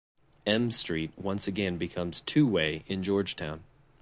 M Street once again becomes two-way in Georgetown.